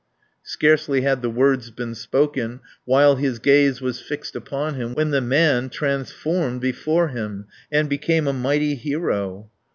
Scarcely had the words been spoken, While his gaze was fixed upon him, 150 When the man transformed before him, And became a mighty hero.